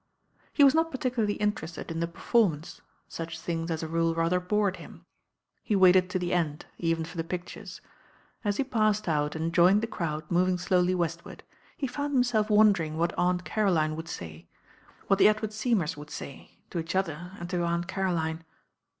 He was not particularly interested in the perform ance; such things, as a rule, rather bored him. He waited to th^ end, even for the pictures. As he passed out and joined the crowd moving slowly westward, he found himself wondering what Aunt Caroline would say, what the Edward Seymours would say to each other and to Aunt Caroline.